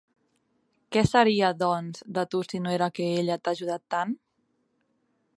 Què seria, doncs, de tu si no era que ella t'ha ajudat tant?